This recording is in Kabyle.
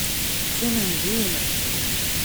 Qqimen din.